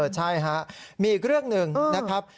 ใช่ฮะมีอีกเรื่องหนึ่งนะครับ